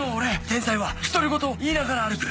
天才は独り言を言いながら歩く。